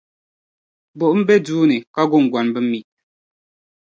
Bɔ m-be duu ni ka guŋgɔni bi mi?